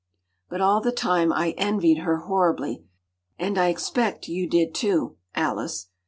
But all the time, I envied her horribly, and I expect you did too, Alice.